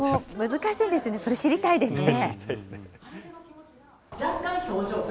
難しいんですよね、それ、知りたいですね。